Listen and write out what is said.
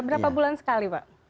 berapa bulan sekali pak